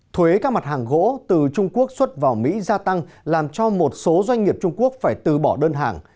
thuế các mặt hàng gỗ từ trung quốc xuất vào mỹ gia tăng làm cho một số doanh nghiệp trung quốc phải từ bỏ đơn hàng